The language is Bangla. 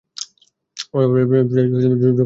কুসুমের সঙ্গে আজকাল প্রায়ই ঝগড়া বাধে মতির।